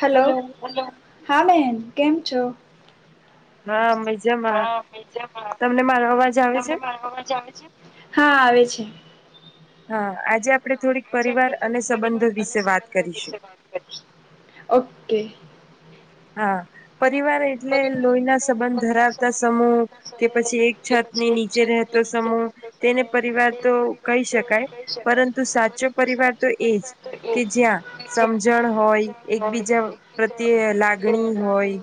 Hello હા બેન. કેમ છો? હા. હા બજા તમને મારવામાં જ આવે છે હા આવે છે. હા આજે આપ પણે થોડીક પરિવાર અને સંબંધો વિશે વાત કરીશું. ઓકે. હા. પરિવાર એટલે લોહીના સંબંધ ધરાવતા સમૂહ કે પછી એક છત ની નીચે રહેતો સમૂહ તેને પરિવાર તો કહી શકાય, પરંતુ સાચો પરિવાર તો એજ કે જ્યાં સમજણ હોય, એકબીજા પ્રત્યે લાગ ણી હોય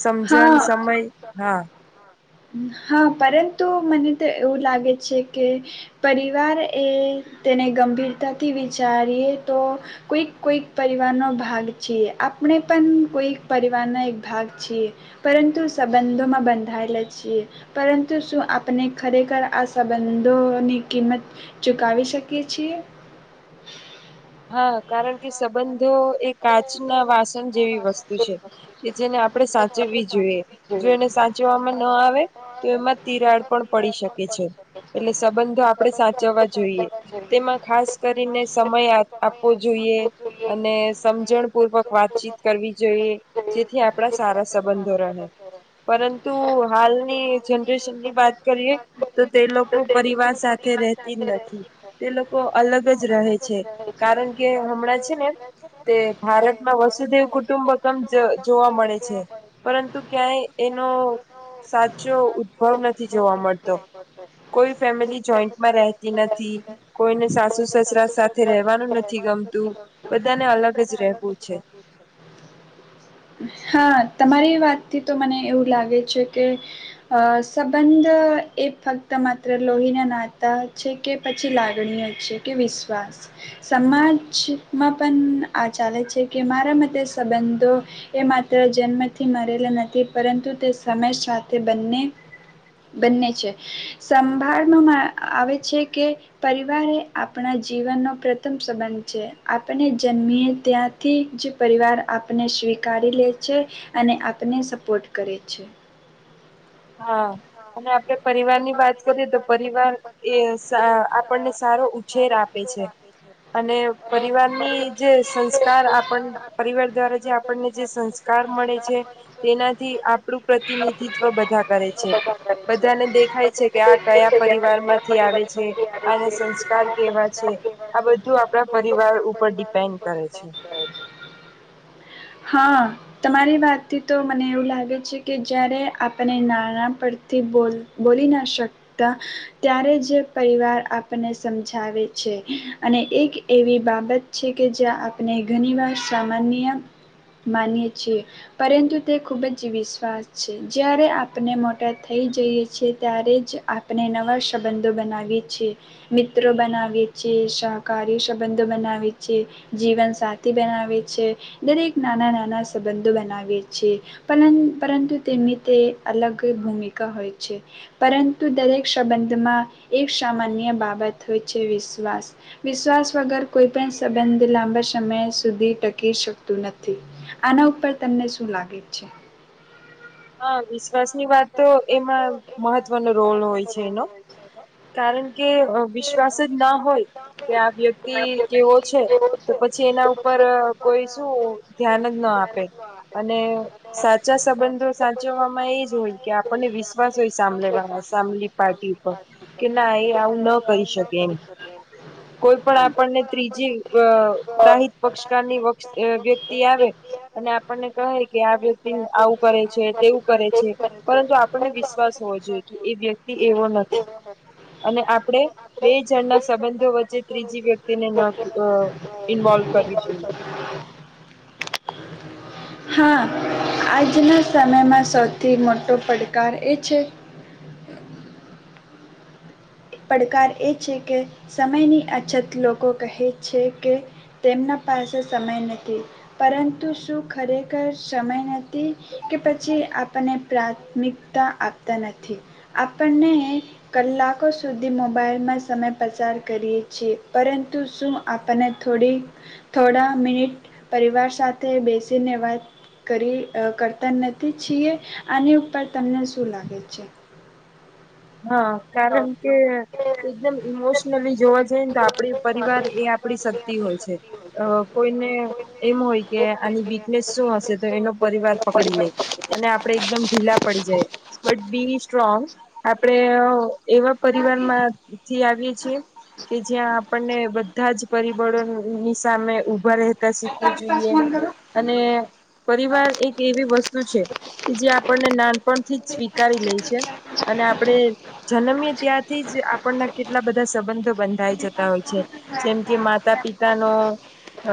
સમજણ, સમય હા. હા પરંતુ મને તો એવું લાગે છે કે પરિવાર એ તેને ગંભીરતાથી વિચારીએ તો કોઈક-કોઈક પરિવારનો ભાગ છીએ. આપણે પણ કોઈક પરિવારના એક ભાગ છીએ, પરંતુ સંબંધોમાં બંધાયેલા છીએ, પરંતુ શું આપણને ખરેખર આ સંબંધોની કિંમત ચુકાવી શકીએ છીએ? હા કારણ કે સંબંધ ધો એ કાચ ના વાસણ જેવી વસ્તુ છે, કે જેને આપણે સાચવવી જોઈએ. જો એને સાચવામાં ન આવે તો એમાં તિરાડ પણ પડી શકે છે, એટલે સંબંધો આપણે સાચવવા જોઈએ. તેમાં ખાસ કરીને સમય આ આપવો જોઈએ અન ને સમજણ પૂર્વક વાતચીત કરવી જોઈએ, જેથી આપણા સારા સંબંધો રહે. પરંતુ હાલની જનરેશનની વાત કરીએ તો તે લોકો પરિવાર સાથે રહેતી જ નથી, તે લોકો અલગ જ રહે છે. કારણ કે હમણાં છે ને તે ભારતમાં વસુદેવ કુટુંબકમ જ જોવા મળે છે, પરંતુ ક્યાંય એનો સાચો ઉદભવ નથી જોવા મળતો. કોઈ ફેમિલી જોઈન્ટમાં રહેતી નથી, કોઈને સાસુ સસરા સાથે રહે વાનું નથી ગમતું બધાને અલગ જ રહેવું છે. તમારી વાતથી તો મને એવું લાગે છે કે અહ સંબંધ એ ફક્ત માત્ર લોહીના નાતા છે, કે પછી લાગણીય છે કે વિશ્વાસ. સમાજમાં પણ આ ચાલે છે કે મારા મતે સંબંધો એ માત્ર જન્મથી મારેલા નથી પરંતુ તે સમય સાથે બંને બંને છે. સંભાળનોમાં અહ આવે છે કે પરિવાર એ આપણા જીવનનો પ્રથમ સંબંધ છે. આપને જન્મીએ ત્યાંરથી જ પરિવાર આપને સ્વીકારી લે છે અને આપને સપોર્ટ કરે છે. હા. અને આપણે પરિવારની વાત કરીએ તો પરિવાર એ સા આપણને સારો ઉછેર આપે છે, અને પરિવારની જે સંસ્કાર આપણ પરિવાર દ્વારા જે આપણને જે સંસ્કાર મળે છે, તેનાથી આપણું પ્રતિનિધિત્વ બધા છે બધા ખાય છે કે આ કયા પરિવાર માંથી આવે છે આના સંસ્કાર કેવા છે આ બધું આપણા પરિવાર ઉપર ડિપેન્ડ કરે છે હા તમારી વાતથી તો મને એવું લાગે છે કે જારે આપને નાના પરથી બોલ બોલીના સકતા ત્યારે જ પરિવાર આપને સમજાવે છે અને એક એવી બાબત છે કે જ્યા આપણે ઘણી વાર સામાન્ય માનીએ છીએ પરંતુ તે ખૂબ જ વિશ્વાસ છે જ્યારે આપને મોટા થઈ જઈએ ત્યારે જ આપણે નવા સંબંધો બનાવીએ છી મિત્રો બનાવીએ છીએ સહકારી સંબંધો બનાવી છેી જીવનસાથી બનાવે છે દરેક નાના નાના સંબંધો બનાવીએ છેએ પરંતુ તેમની તે અલગ ભૂમિકા હોય પરંતુ દરેક સંબંધમાં એક સામાન્ય બાબત હોય છે વિશ્વાસ વિશ્વાસ વગર કોઈ પણ સંબંધ લાંબા સમય સુધી ટકી શકતું નથી આના ઉપર તમને શું લાગે છે હા વિશા વિશ્વાસ ની વાત તો એમાં મહત્વનો રોલ હોય છે એનો કારણ કે વિશ્વાસ જ ના હોય કે આ વ્યક્તિ કેવો છે તો પછી એના ઉપર કોઈ શું ધ્યાન જ ના આપે અને સાચા સંબંધો એ જ હોય કે આપણને વિશ્વાસ હોય સાંભલે વાળા સાામલી પાર્ટી ઉપર કે ના એ આવું ના કરી શકે એમ કોઈ પણ આપણને ત્રીજીએ ત્રાહિત પક્ષકારની વ્યક્તિ આવે અને આપણને કહે કે આ વ્યક્તિ આવું કરે છે એવું કરે છે પરંતુ આપણને વિશ્વાસ હોવો જોઈએ કે એ વ્યક્તિ એવો નથી અને આપણે બે જણના સંબંધો વચ્ચે ત્રીજી વ્યક્તિને ન ઇન્વોલ્વ કરવી જોઈએ આજના સમયમાં સૌથી મોટો પડ કારણ એ છે પડકાર એ છે કે સમયની અછત લોકો કહે છે કે તેમના પાસે સમય નથી પરંતુ શું ખરેખર સમય નથી કે પછી આપણને પ્રાથમિકતા આપતા નથી આપણને કલાક લોકો સુધી મોબાઈલમાં સમય પસાર કરીએ છીએ પરંતુ શું આપને થડી થોડા મિનિટ પરિવાર સાથે બેસીને વાત કરી કરતા નથી છીએ આની ઉપર તમને શું લાગે છે હા કારણ કે એકદમ ઈમોશનલી જોવા જઈ ને તો આપણે પરિવાર એ આપડી સક્તી હોય છે એ કોઈને એમ હોય કે આની વીકનેસ શું હશે તો એનો પરિવાર પકડી લે અને આપણે એકદમ ઢીલા પડી જાય બટ બી સ્ટ્રોંગ આપડે એવા પરિવાર માંથી આવીએ છીએ કે જ્યાં આપણને બધા જ પરીબળો ની સામે ઉ ઉભા રહેતા શીખવું જોઈએ અને પરિવાર એક એવી વસ્તુ છે કે જે આપણને નાનપણથી જ સ્વીકારી લે છે અને આપણે જન્મીય ત્યાંથી જ આપણના કેટલા બધા સંબંધ બંધાઈ જતા હોય છે જેમ કે માતા પિતા નો એ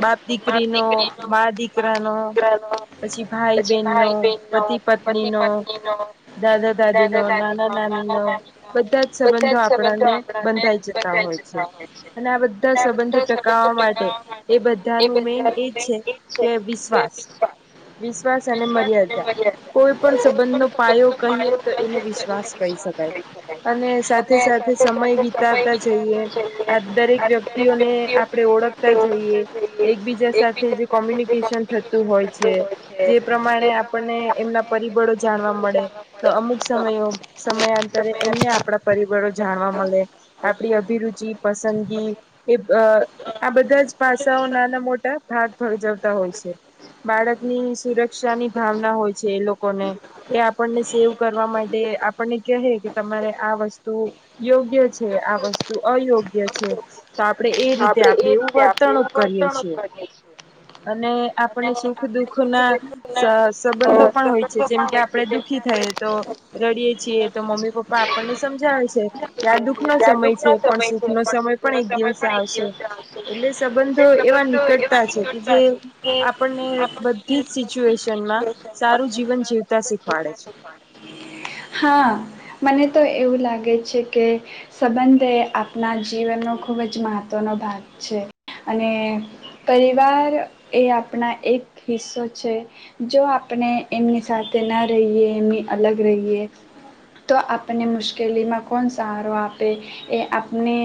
બાપ દીકરીનોો મા દીકરાનો પછી ભાઈ બહેન નો પતિ પત્ની નો દાદા દ ન નાના નાની ન બધા જ સંબંધો આપણાને હોય છે અને આ બધા સંબંધો ટકાવવા માટે એ બધાનું મેન એ છે કે વિશ્વાસ વિશ્વાસ અને મર્યાદા કોઈ પણ સંબંધ નો પાયો કહીએ એને વિશ્વાસ કહી શકાય અને સાથે સાથે સમય વિત જઈ આ દરેક વ્યક્તિઓને આપણે ઓળખતા જઈએ એકબીજા સાથે જે કોમ્યુનિકેશન થતું હોય છે જે પ્રમાણે આપણને એમના પરિબળો જાણવા મળે તો અમુક સમ સમયાંતરે એમને આપણા પર જાણવા મળે આપડી અભિરુચિ પસંદગી એ આ બધા જ પાસાઓ નાના મોટા ભાગ ભજવતા હોય છે બાળકની સુરક્ષા ની ભાવના હોય છે એ લોકોને એ આપણને સેવ કરવા માટે આપને કહે કે તમારે આ વસ્તુ યોગ્ય છે આ વસ્તુ અયોગ્ય છે તો આપણે એ રીતે આપણે એવું વર્તણક કરીએ છીએ અને આપણને સુખ દુખ ના સ સંબંધો પણ હોય છે જેમ કે આપણે દુઃખી થાય તો રડીએે છીએ તો મમ્મી પપ્પા આપણને સમજાવે છે કે આ દુઃખનો સમય છે, પણ સુખનો સમય પણ એક દિવસ દ આવસે એટલે સંબંધો એવા નીકટતા છે કે જે આપણને બધી જ સિચુએશનમાં સારું જીવન જીવતા શીખવાડે છે. હા મને તો એવું લાગે છે કે સંબંધે આપના જીવનનો ખૂબ જ જ મહત્ત્વનો ભાગ છે અને પરિવાર એ આપણા એક હિસ્સો છે જો આપણે એમની સાથે ન રહીએ એમની અલગ રહીએ તો આપને મુશ્કેલીમાં કોણ સહારો આપે એ આપને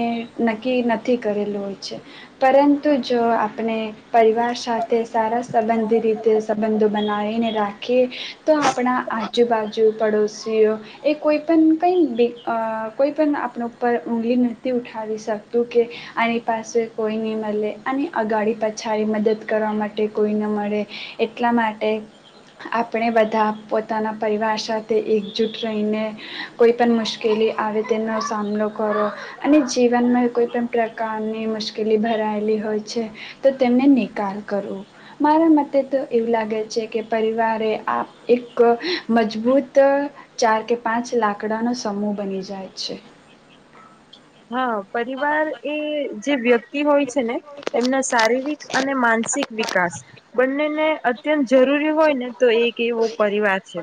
નક્કી થી કરેલું હોય છે, પરંતુ જો આપને પરિવાર સાથે સારા સંબંધી રીતે સંબંધો બનાવીને રાખીએ તો આપણા આજુબાજુ પડોશીઓ એ કોઈપણ કંઈ બી અ કોઈપન આપણા ઉપર ઊગલી નથી ઉઠાવી શકતું. કે આની પાસે કોઈ ની મલે અને અગાડી પછાડી મદદ કરવા માટે કોઈ ન મળે એટલા માટે આપણે બધા પોતાના પરિવાર સાથે એકજૂટ રહીને કોઈ પન મુશ્કેલી આવે તેનો સામનો કરો અને જીવનમાં કોઈ પણ પ્રકારની મુશ્કેલી ભરાયેલી હોય છે, તો તેમને નિકાલ કરવો, મારા મતે તો એવું લાગે છે, કે પરિવારે આ એક મજબૂત ચાર કે પાંચ લાકડાનો સમૂહ બની જાય છે. હા પરિવાર એ જે વ્યક્તિ હોય છે ને એમના શારીરિક અને માનસિક વિકાસ બંનેને તેમ જરૂરી હોય ને તો એક એવો પરિવાર છે,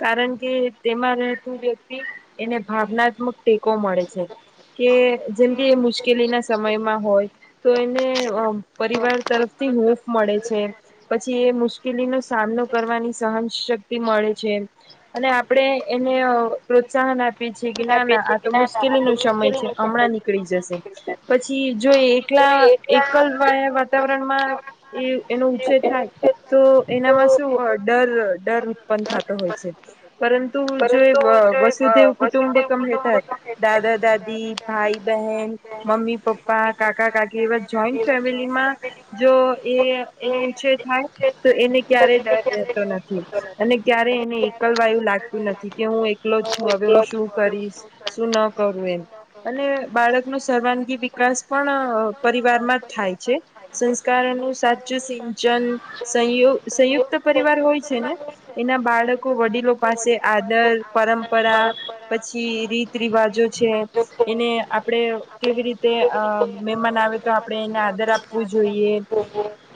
કારણ કે તેમાં લહેતું વ્યક્તિ એને ભાવનાત્મક ટેકો મળે છે. કે જેમ કે એ મુશ્કેલીના સમયમાં હોય તો એને અ પરિવાર તરફથી હૂફ મળે છે, પછી એ મુશ્કેલીનો સામનો કરવાની સહન શક્તિ મળે છે અને આપણે એને અ પ્રોત્સાહન આ પીએ છે કે ના ના આ તો મુશ્કેલીનો સમય છે, અમણાં નીકળી જશે પછી જો એકલા એકલવાયા વાતાવરણમાં એ એનો ઉછેર થાય, તો એનામાં શું ડર ડર ઉત્પન્ન થાતો હોય છે, પરંતુ જો એ વ વસુદેવ કુ ટુંબકમ રેતા હોય, દાદા દાદ દી, ભાઈ-બહેન, મમ્મી -પપ્પા, કાકા-કાકી એવા જોઈન્ટ ફેમિલીમાં જો એ એનો ઉછેર થાય, તો એને ક્યારેય ડર રહેતો નથી અને ક્યારે એને એકલવાયુ લાગતું નથી કે હું એકલો છું હું શું કરીશ? શું ન કરુ? એમ અને બાળકનો સર્વાંગી વિકાસ પણ પરિવારમાં જ થાય છે, સંસ્કારોનું સાચુ સિંચન સંયુ સંયુક્ત પરિવાર હોય છે ને એના બાળકો વડીલો પાસે આદર પરંપ પછી રીતરિવાજો છે એને આપડે કેવી રીતે અ મે માન આવે તો આપડે એને આદર આપવું જોઈએ,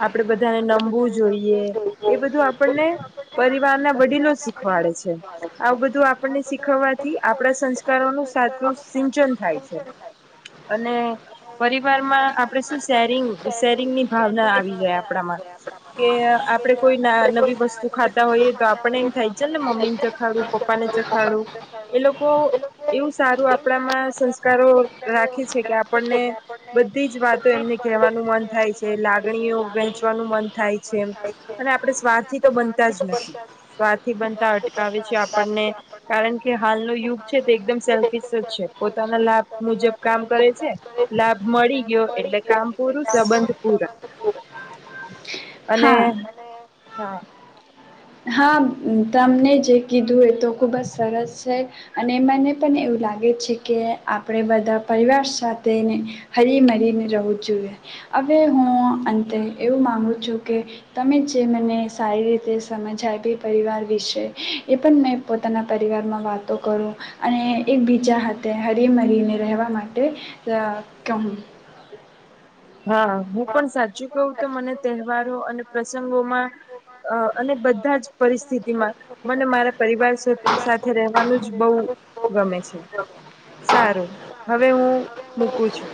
આપડે બધાએ નમવું જોઈએ, એ બધું આપણને પરિવારના વડીલો શીખવાડે છે, આવું બધું આપણને શીખવવાથી આપડા સંસ્કારોનું સાચું સિંચન થાય છે અને પરિવારમાં આપણેે શું શેરિંગ શેરિંગની ભાવના આવી જાય આપડામાં કે આપડે કોઈ ના નવી વસ્તુ ખાતા હોઈએ તો આપડણે એમ થાય ચલને મમ્મીને ચખાડું, પપ્પા ને ચખાડું, એ લોકો એવું સારું આ પડામાં સંસ્કારો રાખે છે કે આપણને બધી જ વાતો એમને કહેવાનું મન થાય છે, લાગણીઓ વહેંચવાનું મન થાય છે અને આપણે સ્વાર્થી તો બનતા જ નથી, સ્વાર્થી બનતા અટકાવે છે આપણને, કારણ કે હાલનો યુગ છે તે એકદમ સેલ્ફીસ સ છે, પોતાના લાભ મુજબ કામ કરે છે, લાભ મળી ગયો એટલે કામ પૂરું સંબંધ પૂરા. અને હાં. હાં તમને જે કીધું એ તો ખૂબ જ સરસ છે અને મને પન એવું લાગે છે કે આપણે બધા પરિવાર સાથે ને હરી મરીને રવું જોઈએ, અવે હું અંતે એવું માગું છું કે તમે જે મને સારી રીતે સમજા આયપી પરિવાર વિશે એ પણ મેં પોતાના પરિવારમાં વાતો કરું અને એકબીજા હાથે હરીમરીને રહેવા માટે અ કહું. હા હું પણ સાચું કવ તો મને તહે વારો અને પ્રસંગ ગોમાં અ અને બધા જ પરિસ્થિતિમાં મને મારા પરિવાર સા સાથે રહેવાનું જ બઉ ગમે છે, સારું હવે હું મૂકું છું.